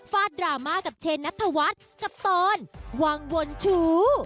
ดราม่ากับเชนนัทวัฒน์กับตอนวางวนชู้